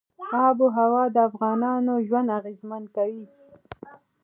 آب وهوا د افغانانو ژوند اغېزمن کوي.